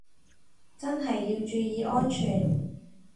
真係要注意健康